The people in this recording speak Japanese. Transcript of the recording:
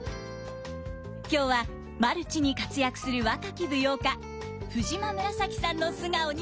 今日はマルチに活躍する若き舞踊家藤間紫さんの素顔に迫ります。